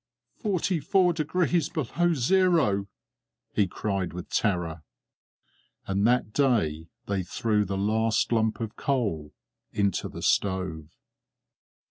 "Forty four degrees below zero!" he cried with terror. And that day they threw the last lump of coal into the stove.